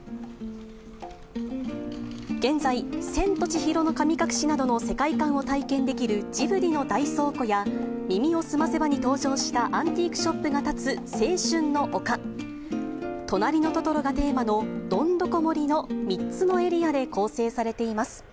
現在、千と千尋の神隠しなどの世界観を体験できるジブリの大倉庫や、耳をすませばに登場したアンティークショップが建つ青春の丘、となりのトトロがテーマのどんどこ森の３つのエリアで構成されています。